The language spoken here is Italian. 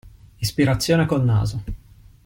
Ispirazione col naso.